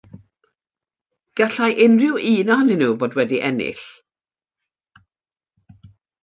Gallai unrhyw un ohonyn nhw fod wedi ennill.